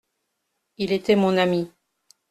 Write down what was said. Il était mon ami.